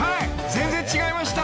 全然違いました］